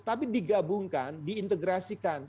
tapi digabungkan diintegrasikan